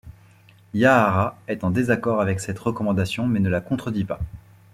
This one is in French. Yahara est en désaccord avec cette recommandation mais ne la contredit pas.